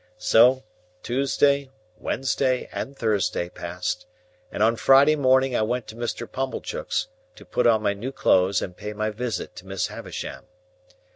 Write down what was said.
So, Tuesday, Wednesday, and Thursday, passed; and on Friday morning I went to Mr. Pumblechook's, to put on my new clothes and pay my visit to Miss Havisham.